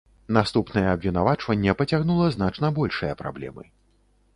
Наступнае абвінавачванне пацягнула значна большыя праблемы.